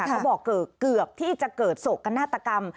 เขาบอกเกือบที่จะเกิดโศกนาฏกรรม